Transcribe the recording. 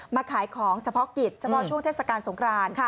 มาขายของเฉพาะกิจเฉพาะช่วงเทศกาลสงคราน